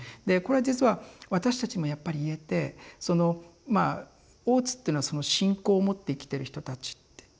でこれ実は私たちもやっぱり言えてそのまあ大津っていうのは信仰を持って生きてる人たちって。